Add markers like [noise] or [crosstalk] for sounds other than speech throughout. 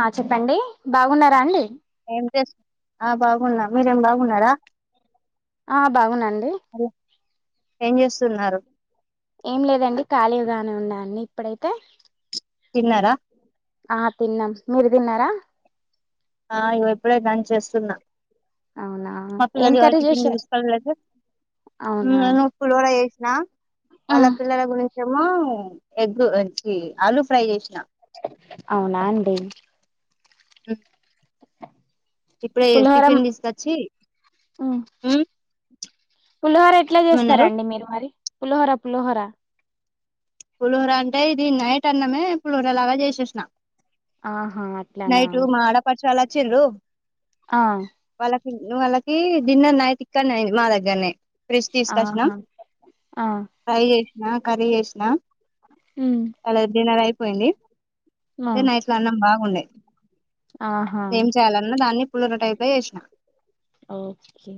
ఆ చెప్పండి బాగున్నారా అండి ఏం చే ఆ బాగున్నాం మీరేం బాగున్నారా ఆ బాగున్నా అండి ఏం చేస్తున్నారు ఏం లేదండి ఖాళీగానే ఉండ అండి ఇప్పుడైతే తిన్నారా ఆ తిన్నాం మీరు తిన్నారా ఆ ఇప్పుడే కాని చేస్తున్నా అవునా మా [unintelligible] ఆ ఏం కర్రీ చేశారు అవునా నేను పులావ్ చేస్ ఆ వాళ్ళ పిల్లల గురించేమో ఎగ్ ఏ చీ ఆలు ఫ్రై చేసినాం అవునండీ అ ఇప్పుడే పులిహోర టిఫిన్ తీసుకొచ్చి మ్, ఉమ్ పులిహోర ఎట్లా ఏమన్నారు చేస్తారండి మీరు మరి పులిహోర పులహోర పులిహోర అంటే ఇది నైట్ అన్నమే పులిహోర లాగా చేసేసిన ఆహా అట్లానా నైటు మా ఆడపడుచు వాళ్లు వచ్చిరు ఆ వాళ్ళకి డిన్నర్ నైట్ ఇక్కడనే అయింది మా దగ్గరనే ఫ్ర్రిష్ తీసుకొచ్చినం ఆహా ఆ ఫ్రై నా కర్రీ చేసినా మ్, అలాది డిన్నర్ అయిపోయింది ఆ అదే నైట్ల అన్నం బాగుండే ఆహా ఏం చేయాలన్నా దాన్ని పులిహోర టైప్ చేసిన ఓకే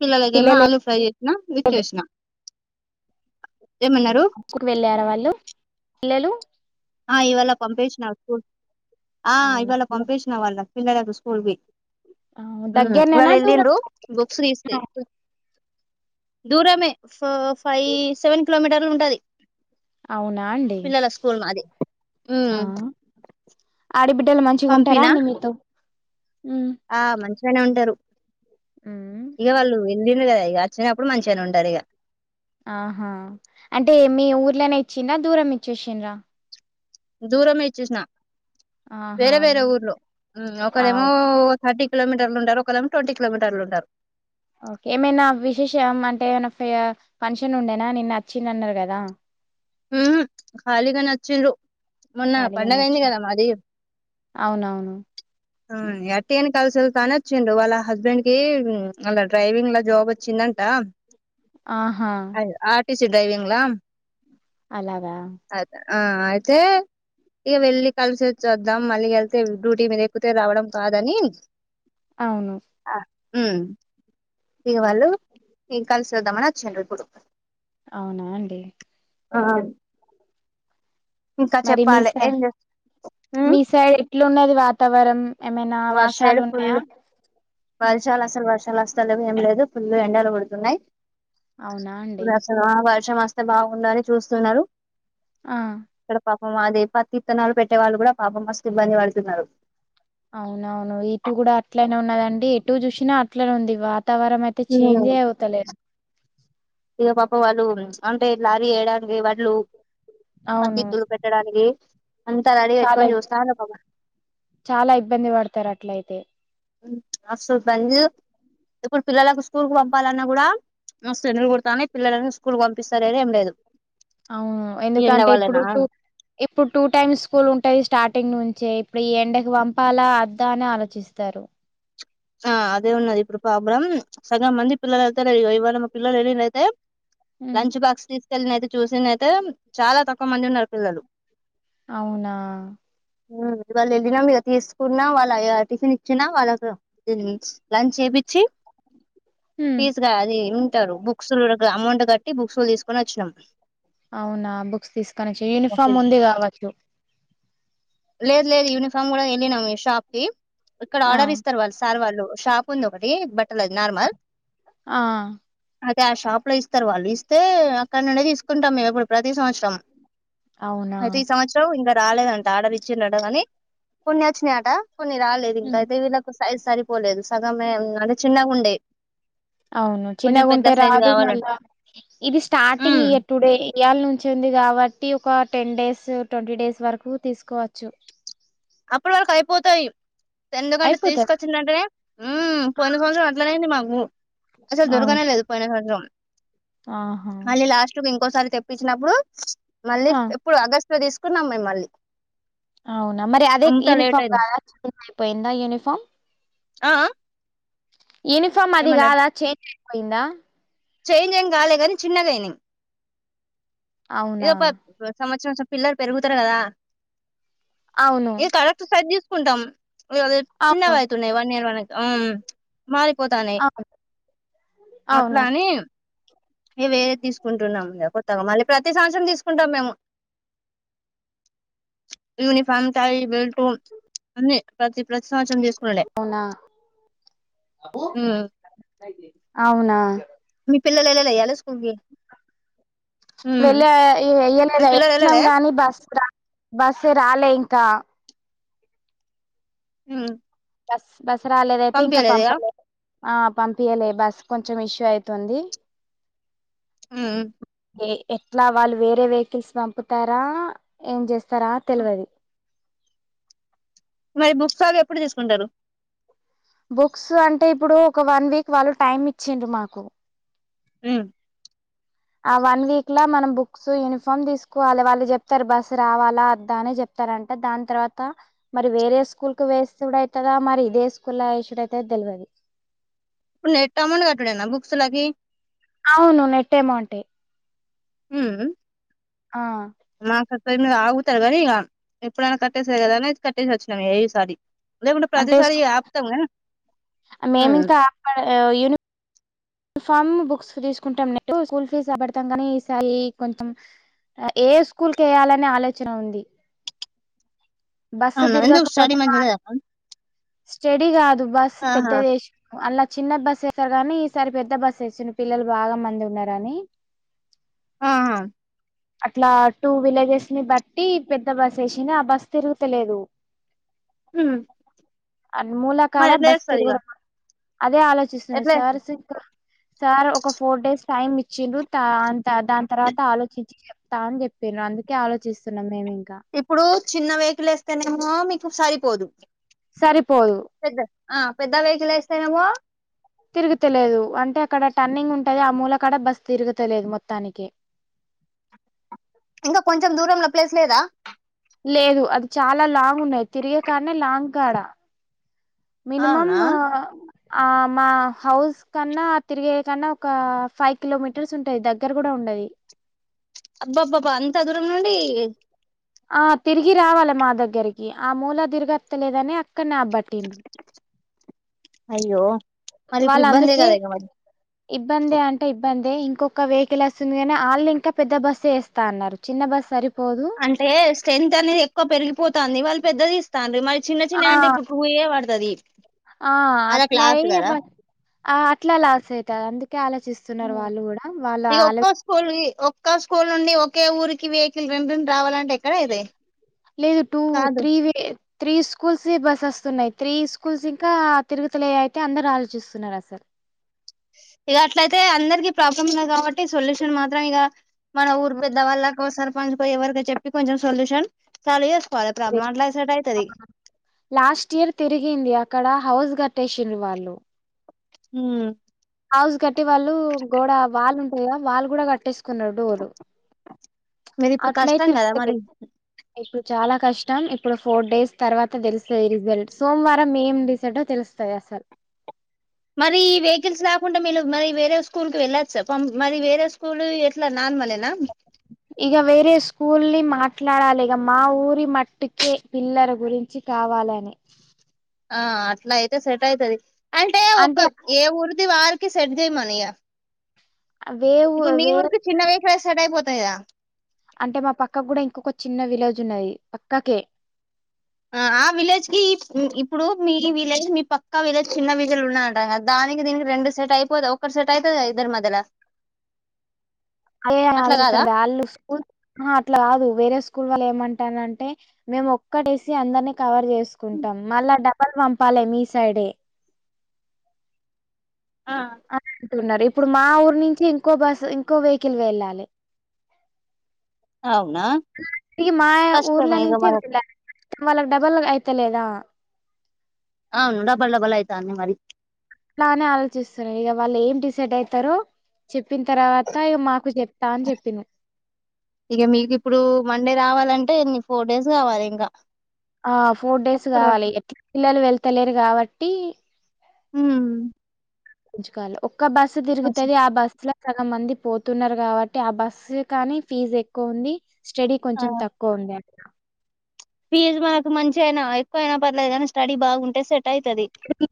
పిల్లలకేమో పిల్లలు ఆలు ఫ్రై చేసిన ఇచ్చేసిన ఏమన్నారు స్కూల్ కు వెళ్ళారా వాళ్ళు పిల్లలు ఆ ఇవాళ పంపేసిన స్కూల్ ఆ అవునా ఇవాళ పంపేసిన వాళ్ళ పిల్లలకు స్కూల్ కి ఆ వాళ్ళు దగ్గరనేనా దూరం వెళ్ళిండ్రు బుక్స్ ఆ తీస్తాయి దూరమే ఫో ఫైవ్ సెవెన్ కిలోమీటర్లు ఉంటది అవునా అండి పిల్లల స్కూల్ మాది ఆ ట్టలు మంచిగా ఉంటారా పంపినా అండి మీతో ఆ మంచిగానే ఉంటారు ఉ వెలింది కదా ఇక వచ్చినప్పుడు మంచిగానే ఉంటాది ఇక ఆహా అంటే మీ ఊర్లోనే ఇచ్చింద దూరం ఇచ్చేసిండ్రా దూరంమే ఇచ్చేసిన ఆహా వేరే వేరే ఊర్లో ఆ ఒకరేమో థర్టీ కిలోమీటర్లు ఉంటారు ఒకలు ఏమో ట్వంటీ కిలోమీటర్లు ఉంటారు ఓకే ఏమైనా విశేషం అంటే ఏమైనా ఫంక్షన్ ఉండేనా నిన్న అచ్చింది అన్నారు కదా ఉహు ఖాళీగానే అచ్చిండ్లు మొన్న ఖాళీగానే పండగ వచ్చి అయింది కదా మాది అవునవును ఆ అట్టిగానే కల్ స్తా అని వచ్చిండు వాళ్ళ హస్బెండ్ కి ఆళ్ళ డ్రైవింగ్ లా జాబ్ వచ్చిందంట ఆహా డ్రైవింగ్లా అలాగా ఆ అయితే ఇక వెళ్ళి కలిసి వచ్చి వద్దాం మళ్ళీ వెళ్తే డ్యూటీ మీద పోతే రావడం కాదని అవును ఉమ్ ఇగ వాళ్ళు కలిసి వద్దామని వచ్చింరూ ఇప్పుడు అవునా అండి ఆ ఇంకా మరి మీ చెప్పాలి సై ఏం చే ఉమ్ మీ సైడ్ ఎట్లున్నది వాతావరం ఏమైనా మా వర్షాలు సైడ్ ఫుల్ ఉన్నాయా వర్షాలు అసలు వర్షాలు వస్తా లేదు ఏం లేదు పుల్లు ఎండలు కోడుతున్నాయి అవునా అండి వర్షం వస్తే బాగుండు అని చూస్తున్నారు. ఆ మ మాదే పతిత్తనాలు పెట్టే వాళ్ళు కూడా పాపం మస్తు ఇబ్బంది పడుతున్నారు. అవునవును ఇటూ కూడా అట్లనే ఉన్నాదండి ఎటూ చూసినా అట్లనే ఉంది ఈ వాత తావరం అయితే చేంజే అవుతలే ఇగ పాపం వాళ్ళు అంటే లారీ వేయడానికి వడ్లు అవును పతిత్తులు పెట్టడానికి అంతా రాడి చాలా పెట్టుకొని ఇబ్ చూస్తాన్రు పాపం చాలా ఇబ్బంది పడతారు అట్లయితే అసలు బందె ఇప్పుడు పిల్లలకు స్కూల్ కు పంపాలన్నా కూడా మస్ ఎండలు కోడతానయి పిల్లలని స్కూల్ పంపిస్తాలేరు ఏం లేదు అవును ఈ ఎండ ఎందుకంటే ఇప్పుడు వల్లనా టూ ఇప్పుడు టూ టైమ్స్ స్కూల్ ఉంటాయి స్టార్టింగ్ నుం చే ఇప్పుడు ఈ ఎండకు పంపాలా అద్దా అని ఆలోచిస్తారు ఆ అదే ఉన్నది ఇప్పుడు ప్రాబ్లమ్ సగం మంది పిల్లలు వెళ్తే ఇవాళ మా పిల్లలు వెళ్ళినరు అయితే హ్మ్ లంచ్ బాక్స్ తీసుకెళ్లినయితే చూసిన అయితే చాలా తక్కువ మంది ఉన్నారు పిల్లలు అవునా హ ఈవళ్ళ వెళ్ళినం ఇగ తీసుకున్నా వాళ్ళ టిఫిన్ ఇచ్చినా వాళ్ళకు లంచ్ చేపిచ్చి హ్మ్ పిజ్ గా అది హ్మ్ రు బుక్సులు అమౌంట్ కట్టి బుక్స్లు తీసుకొని వచ్చినాము అవునా బుక్స్ తీసుకొని వచ్చ యూనిఫామ్ ఉంది కావచ్చు. లేదు లేదు యూనిఫామ్ కూడా వెళ్ళినం మీ షాప్ కి ఇక్కడ ఆ ఆర్డర్ ఇస్తారు వాళ్ళు సార్ వాళ్ళు షాప్ ఉంది ఒకటి బట్టల అది ఆ నార్మల్ ఆ! షాప్ లో ఇస్తారు వాళ్ళు ఇస్తే అక్కడ నుండే తీసుకుంటాం మేము ఇప్పుడు ప్రతి సంవత్సరం అవునా అయితే ఈ సంవత్సరం ఇంకా రాలేదంట ఆడరిచ్చిడటగాని కొన్నే వచ్చినాయట కొన్ని రాలేదు హ్మ్. ఇంకయితే వీళ్ళకి సైజ్ సరిపోలేదు సగమే ఉందని చిన్నగా ఉండే అవును కొంచెం చిన్నగా పెద్ద ఉంటే సైజు రాదు కావాలంట మళ్ళా ఇది స్టార్టింగ్ మ్మ్ ఇయర్ టుడే ఈయాల నుంచి ఉంది కాబట్టి ఒక టెన్ డేస్ ట్వంటీ డేస్ వరకు తీసుకోవచ్చు. అప్పడవరకు అయిపోతాయి ఎందుకంటే అయిపోతది తీసుకొచ్చిందింటే హ్మ్ పొయిన సంవత్సరం అట్లనే ఐంది మాకు అసలు అవును దోరకనే లేదు పోయిన సంవత్సరం ఆహా ఒక్కసారి తెప్పించినప్పుడు మళ్ళీ ఆ ఎప్పుడు అగస్ట్ లో తీసుకున్నాం మేమ్ మల్లి అవున్ మరి అదే యూనిఫామ్ కాదా చేంజ్ అయిపోయిందా యూనిఫామ్ ఆ ఆ యూనిఫామ్ అది ఏమన్నారు కాదా చేంజ్ అయిపోయిందా చేంజ్ ఏం కాలే కాని చిన్నగాయింది ఇగ అవునా ప్ర సంవత్సరం సంవత్స పిల్లలు పెరుగుతారు కదా అవును ఇగ కరక్ట్ సైజ్ తీసుకుంటాం. ఇగ అవును చిన్నగా ఐతున్నాయి వన్ ఇయర్ వరకు మారిపోతానయి అవును అ అవును ఇగ వేరే తీసుకుంటున్నాము కొత్తగా మళ్ళీ ప్రతి సంవత్సరం తీసుకుంటాం మేము యూనిఫార్మ్ టయ్ బెల్ట్ అన్ని ప్రతి ప్రతి సంవత్సరం తీసుకున్నాలే అవునా అవునా మీ పిల్లాలు యేల్లలే ఈయల స్ వెళ్ళె ఇ మీ వేయలేదా పిల్లలు వచ్చినాం ఎల్లలే గాని బస్ రాలే బస్సే రాలే ఇంకా మ్ బస్ బస్ రాలేదయితే ఇంకా పంప ఆ పంపియలే బస్ కొంచెం ఇష్యూ అయితుంది మ్ ఎ ఎట్లా వాళ్ళు వేరే వెహికల్స్ పంపుతారా ఏం చేస్తారా తెలువది మరి బుక్స్టాల్ ఎప్పుడు తీసుకుంటారు బుక్స్ అంటే ఇప్పుడు ఒక వన్ వీక్ వాళ్ళు టైమ్ ఇచ్చిండ్రు మాకు మ్ ఆ వన్ వీక్ ల మనం బుక్స్ యూనిఫామ్ తీసుకోవాలే వాళ్ళు చెప్తారు బస్సు రావాలా వద్దా అని చెప్ ారంట దాని తర్వాత మరి వేరే స్కూల్ కు వేసుడు అయితదా మరి ఇదే స్కూల్ వేసుడుఅయిత తెల్వది ఇప్పుడు నెట్ అంమౌంట్ కట్టుడేనా బుక్స్ లకి అవును నెట్ అమౌంటే మ్ మ్ ఆ మా క మీద ఆగుతారు కానీ ఇగ ఎప్పుడైనా కట్టేసేదే కదా అని కట్టేసి వచ్చినాము ఏ ఈ సారి అంటే మేమి ఉమ్ అక్కడ యూనిఫ్ ఫామ్ బుక్స్ తీసుకుంటాం నట్టు స్కూల్ ఫీజ్ అడ్ బెండ్తామ్ కాని ఈ సరి కొంచం ఏ స్కూల్ కి వేయాలనే ఆలోచన ఉంది బస్సు అవునా ఎందుకు స్టడీ తిర్గకపోతే మంచిగా మత్ లేదా అక్క స్టడి కాదు బస్ ఆహా పెద్దదేశిల్ అల్ల చిన్న బస్సు వేస్తారు గానీ ఈసారి పెద్ద బస్ వేసిండు పిల్లలు బాగా మంది ఉన్నారని ఆ అ అట్లా టూ విలేజెస్ ని బట్టి పెద్ద బస్ వేసినా ఆ బస్ తిరుగుతలేదు ఉమ్ అన్ మూల కాడ మరి ఎట్లా బస్ చేస్తారు ఇగ తిరుగడం అదే ఆలోచిస్తున్నా ఎట్లా చేస్తారు సార్స్ ఇంకా సార్ ఒక ఫోర్ డేస్ టైమ్ ఇచ్చిండ్రు త అంత దాని తర్వాత ఆలో చించి చెప్తా అని చెప్పిన్ర అందుకే ఆలోచిస్తున్నాం మేము ఇంకా ఇప్పుడు చిన్న వెహికల్ వేస్తేనేమో మీకు సరిపోదు సరిపోదు పెద్ద ఆ పెద్ద వెహికల్ వేస్తానేమో తిరుగుతలేదు అంటే అక్కడ టర్న్నింగ్ ఉంటది ఆ మూల కడ బస్సు తిరుగుతలేదు మొత్తానికే ఇంకా కొంచెం దూరంలో ప్లేస్ లేదా లేదు అది చాలా లాంగ్ ఉన్నాది తిరిగే కాన్నే లాంగ్ కాడ మీనిమమ్ అవునా ఆ మా హౌస్ కన్నా తిరిగే కన్నా ఒక ఫైవ్ కిలోమీటర్స్ ఉంటాయి దగ్గర కూడా ఉండది అబ్బాబ్బాబ్బా అంతా దూరం నుండి ఆ తిరిగి రావాలే మా దగ్గరికి ఆ మూల తిరిగత్తలేదని అక్కడన్నే అబ్బట్టింది అయ్యో మరి వాళ్ళ ఇప్పుడు ఇబ్బందే అందుకే కదా ఇక మరి ఇబ్బంది అంటే ఇ ఇబ్బంది ఇంకొక వెహికల్ వస్తుంది గాని వాళ్ళు ఇంకా పెద్ద బస్సు వేస్తా అన్నారు చిన్న బస్ సరి అంటే స్ట్రెంత్ అనేది ఎక్కువ పెరిగిపోతంది వాళ్ళు పెద్దది ఇస్తన్నాడ్రు మయ్ చిన్న ఆ చిన్నయి అంటే ఇప్పుడు టు య్యే పడుతది ఆ అలా క్లాస్ అట్లాయి కదా అట్లా లాసయితారు అందు కే ఆలోచిస్తున్నారు వాళ్ళు కూడా వాళ్ళు ఆలో చించి ఒక స్కూల్ నుండి ఒకే ఊరికి వెహికల్ రెండు రెండు రావాలంటే ఎక్కడ అయితాయి లేదు two three way three schools వి బస్సెస్ ఉన్నాయి త్రీ స్కూల్స్ ఇంకా తిరుగుతులే అయితే అందరూ ఆలోచిస్తున్నారు అసలు ఇక అట్లయితే అందరికి ప్రాబ్లం ఉంది కాబట్టి సొల్యూషన్ మాత్రం ఇక మన ఊరు పెద్ద వాళ్ళకో సర్పంచ్ కో ఎవరికో చెప్పి కొంచెం సొల్యూషన్ సాల్వ్ చెస్ ఎ లాస్ట్ ఇయర్ తిరిగింది అక్కడ హౌస్ గ స్టేషన్ వాళ్లు ఉ హౌస్ కట్టి వాళ్ళు గోడ వాల్ ఉంటాయా వాల్ కూడా కట్టేసుకున్నారు డోర్ మీరు ఇప్పుడు కష్టం అట్లాయితే కదా మరి తీర్గతది చాలా కష్టం ఇప్పుడు ఫోర్ డేస్ తర్వాత తెలుస్తుది రిజల్ట్ సోమవారం ఏం రిజల్ట్ ఓ తెలుస్తుది అసలు టు మరి ఈ వెహికల్స్ రాకుండా వీళ్లు మరి వేరే స్కూల్కి వెళ్ళచ్చు పామ్ మరి వేరే స్కూల్ ఎట్లా నా ర్మల్ ఏనా ఇక వేరే స్కూల్ ని మాట్లాడాలి ఇక మా ఊరి మట్టికే పిల్లల గురించి కావ్ వాలనే ఆ అట్లా అయితే సెట్ అయితది అంటే ఒక ఏ ఊరు ది వారికి సెట్ చేయమను ఇక వేవు ఇప్పుడు మీ వేరే ఊరికి చిన్న వెహికల్ సెట్ అయిపోత్ స్తయా అంటే మా పక్కకు కూడా ఇంకొక చిన్న విలేజ్ ఉన్నది పక్కకి ఆ ఆ విలేజ్ కి ఇ ఇప్పుడు మీ విలేజ్ మీ పక్కా విలేజ్ చిన్న విజలు ఉన్నదంట కదా దా దనికి దీనికి రెండు సెట్ అయిపోది ఒక్కరు సెట్ అయితది ఇద్దరు మద్యల అదే ఆలోచిస్తారు వాళ్ళు స్కూల్ ఆహా అట్లా కాదు వేరే స్కూల్ వాల్ల ఏమం టారంటే మేము ఒక్కటేసి అందరిని కవర్ చేసుకుంటాం మళ్ళా డబ్బల్ పంపాలే మీ సైడ్ డే అంటున్నార్ ఇప్ ఇప్పుడు మా ఊరు నించి ఇంకో బస్ ఇంకో వెహికల్ వెళ్లాలే అవునా ఆ అండి మా ఊర్లా కష్టమే ఇగ నించి మన వెళ్లాలి వాళ్లక్ డబల్ అయితలేదా అవును డబల్ డబల్ అయితంది మరి అలానే ఆలోచిస్తున్నారు ఇక వాళ్ళు ఏం డిసైడ్ అయితరో చెప్ ప్పిన తర్వాత ఇక మాకు చెప్తా అని చెప్పిన ఇక మీకు ఇప్పుడు మండే రావాలంటే ఎన్ని ఫోర్ డేస్ కావాలి ఇంకా ఆ ఫోర్ డేస్ అప్పటి కావాలి వరకు ఎట్ల్ ఎట్లా పిల్లలు వెళ్తలేరు కాబట్టి ఉం గుుజకాల ఒక్క బస్సు తిరుగుతుది ఆ బస్సు లో సగం మంది పోతున్నారు కాబట్టి ఆ బస్సు కానీ ఫీజ్ ఎక్కువ ఉంది స్టడీ ఆ కొంచెం తక్కువ ఉండ ఫీజు మనకు మంచి అయినా ఎక్కువ అయినా పర్లేదు కానీ స్టడీ బాగుంటే సెట్ ట్ట అయితది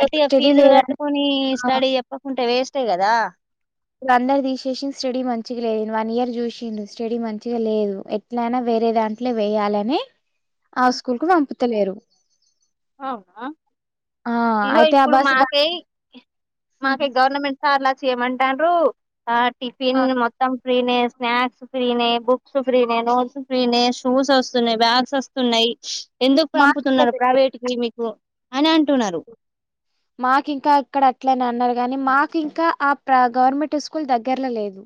అంటే ఇగ స్టడీ ఫీజులు లేదని కట్టుకొని ఆ స్టడీ చెప్పకుంటే వేస్టే కదా ఇప్పుడు అందరు తీసేసి స్టడీ మంచిగా లేదును వన్ ఇయర్ చూసిండు స్టడీ మంచిగా లేదు ఎట్లయినా వే వేరే దాంట్లో వెయ్యాలనే ఆ స్కూల్ కు పంపుతలేరు అవునా ఆ ఇగో అయితే ఆ ఇప్పుడు బస్ బ్ మాకే గవర్నమెంట్ సార్లా చేయమంతాండ్రు ఆ టిఫిన్ మొత్తం ఫ్రీనే స్నాక్స్ ఫ్రీనే బుక్స్ ఫ్రీనే నోట్స్ ఫ్రీనే షూస్ వస్త బ్యాగ్స్ వస్తున్నాయి ఎందుకు మాకు పంపుతున్నారు ప్రైవేట్ కు మీకు అని అ మాకు ఇంకా ఇక్కడ అట్లనే అన్నారు గానీ మాకు ఇంకా ఆ ప్ర గవర్నమెంట్ స్కూల్ దగ్గరలో లేదు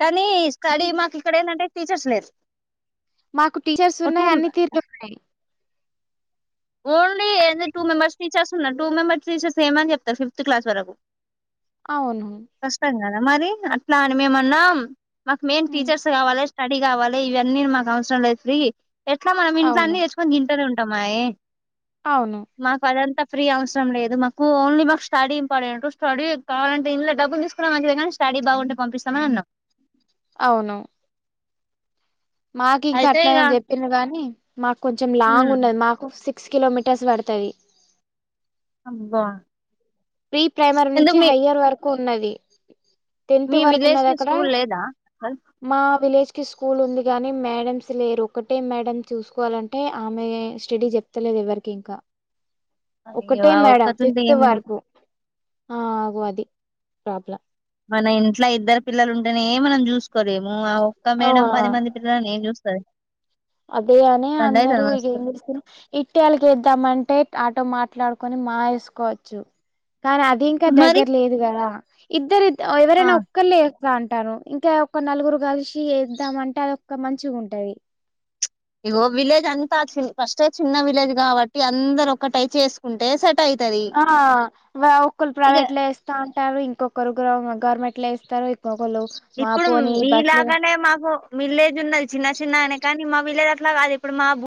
కానీ స్టడీ మాకు ఇక్కడ ఏందంటే టీచర్స్ లేరు మాకు టీచర్స్ టూ ఉన్నాయి అన్ని తీర్లు ఉన్నాయి. ఓన్లీ ఏంది టూ మెంబర్స్ టీచర్స్ ఉన్నారు టూ మెంబర్స్ టీచర్స్ ఎం అని చెప్తారు ఫిఫ్త్ క్లాస్ వరకు అవును కష్టం కదా మరి అట్లా అని మేము అన్నాం మాకు మెయిన్ హ్మ్. టీచర్స్ కావాలి స్టడీ కావాలి ఇవన్నీ మాకు అవసరం లే ఫ్రీ ఎట్లా మనం ఇంట్లో అవును. అన్నితెచ్చుకొని తింటేనే ఉంటాంమాయే అవును. మాకు అదంతా ఫ్రీ అవసరం లేదు మాకు ఓన్లీ మాకు స్టడీ ఇంపార్టెంట్ స్టడీ కావాలంటే ఇందులో డబ్బు లు తీసుకున్నా మంచిది గానీ స్టడీ బాగుంటే పంపిస్తామని అన్నారు అవునా మాకు ఇంకా అయితే అట్లా ఇగ నని చెప్పింది కాగానీ మాకు కొంచెం లాంగ్ ఉమ్ ఉన్నది మాకు సి సిక్స్ కిలోమీటర్స్ పడుతుంది అబ్బా ప్రీ ప్రైమరీ నుంచి ఎందుకు మీ హయ్యర్ వరకు ఉన్నది టెన్త్ మీ వరకు విలేజ్ ఉన్నది కి అక్కడ స్కూల్ లేదా మా విలేజ్ కి స్కూల్ ఉంది కాగాని మేడమ్స్ లేరు ఒక్కటే మేడమ్ చూసుకోవాలంటే ఆమె స్టడీ చెప్తలేదు ఎవరికి ఇంకా అయ్యో ఒకటే ఆ మేడం ఒక్కతుంటే ఫిఫ్త్ ఏమి వరకు ఆ ఆ అది ప్రాబ్లమ్ మన ఇంట్లో ఇద్దరు పిల్లలు ఉంటేనే మనం చూసు కోలేేము ఒక్క ఆ! మేడం పది మంది పిల్లలని ఏం చూస్తారు అదే అనే అందరు ఇగతెసు ఇట్ట అల్గ ఎద్దామ అంటే ఆటో మాట్లాడుకొని మా వేసుకోవచ్చు కానీ అది ఇంకా మరి దగ్గర లేదు కదా ఇద్దరు ఆ ఎవరనా ఒక్కళ్ళు అంటాను ఇంకా ఒక నలుగురు కలిసి ఏ ద్దామంటే అదొక్క మంచిగా ఉంటది ఇగో విలేజ్ అంతా ఫస్ట్ చిన్న విలేజ్ కాబట్టి అందరు ఒక్కటై చేసుకుంటే స ఆ ఒకరు ఇగ ప్రైవేట్ లో ఏస్తా అంటారు ఇంకొకరు గవర్నమె గవర్నమెంట్ లో ఏస్తారు ఇప్పుడు మీలాగానే మాకు విలేజ్ ఉన్నది చిన్న చిన్నగనే కానీ మా విల్లేజ్ అట్లా కాదు ఇప్పుడు మా